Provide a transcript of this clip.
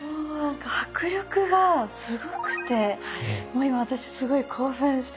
迫力がすごくてもう今私すごい興奮してますね。